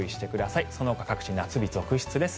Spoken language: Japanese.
そのほか、各地夏日続出です。